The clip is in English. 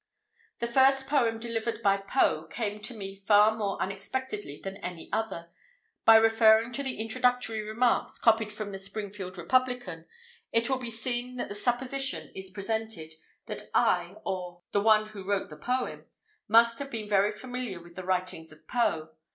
The first poem delivered by Poe, came to me far more unexpectedly than any other. By referring to the introductory remarks, copied from the "Springfield Republican," it will be seen that the supposition is presented, that I, or "the one who wrote the poem," must have been very familiar with the writings of Poe.